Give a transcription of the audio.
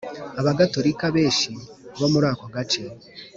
Abagatolika benshi bo muri ako gace